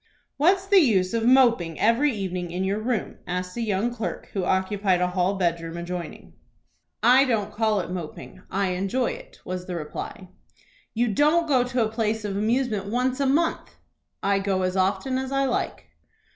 "What's the use of moping every evening in your room?" asked a young clerk who occupied a hall bedroom adjoining. "I don't call it moping. I enjoy it," was the reply. "You don't go to a place of amusement once a month." "I go as often as I like."